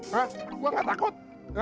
hah gue gak takut